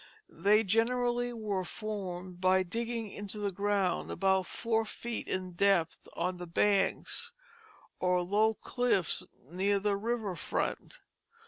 They generally were formed by digging into the ground about four feet in depth on the banks or low cliffs near the river front.